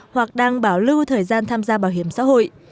hoặc đang bảo lưu thời gian tham gia bảo hiểm xã hội